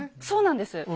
そうなんです。